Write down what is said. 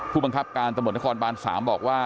ผู้บังคับการตำรวจนครบาน๓บอกว่า